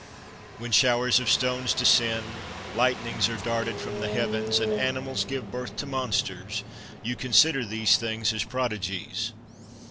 When showers of stones descend, lightnings are darted from the heavens, and animals give birth to monsters, you consider these things as prodigies.